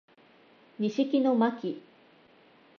西木野真姫